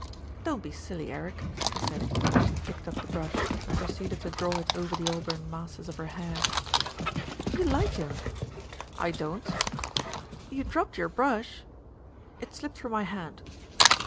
"Don't be silly, Eric," she said, as she picked up the brush and proceeded to draw it over the auburn masses of her hair. "You like him." "I don't." "You dropped your brush." "It slipped from my hand."